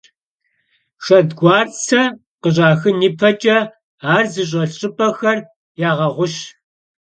Şşedguartse khış'axın yipeç'e ar zış'elh ş'ıp'exer yağeğuş.